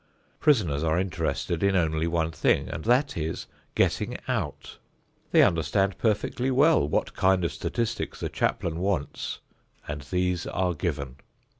Prisoners are interested in only one thing, and that is getting out. They understand perfectly well what kind of statistics the chaplain wants and these are given.